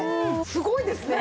すごいですね！